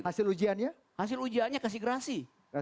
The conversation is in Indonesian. hasil ujiannya hasil ujiannya kasih gerasi